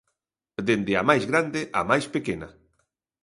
Dende a máis grande á máis pequena.